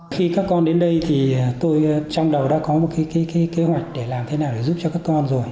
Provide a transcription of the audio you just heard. khi các con đến đây thì tôi trong đầu đã có một cái kế hoạch để làm thế nào để giúp cho các con rồi